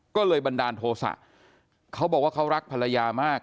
ก็เลยบันดาลโทษะเขาบอกว่าเขารักภรรยามาก